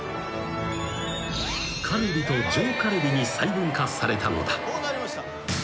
［カルビと上カルビに細分化されたのだ］